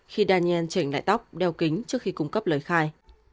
khi daniel chỉnh lại tóc đeo kính trước khi cung cấp lời khai